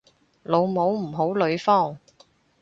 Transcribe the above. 老母唔好呂方